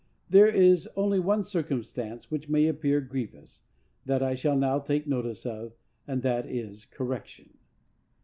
There is only one circumstance which may appear grievous, that I shall now take notice of, and that is correction.